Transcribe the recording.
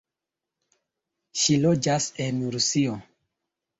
Ŝi loĝas en Rusio.